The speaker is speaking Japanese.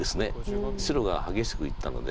白が激しくいったので。